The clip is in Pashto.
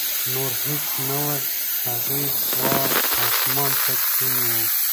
نور هېڅ نه و، هغې خوا اسمان تک شین و.